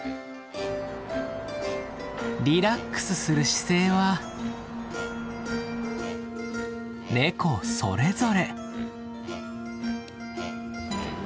リラックスする姿勢はネコそれぞれ。